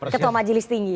jalur jilis tinggi